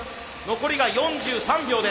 残りが４３秒です。